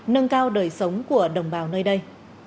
nâng cao đời sống của đồng bào nơi đây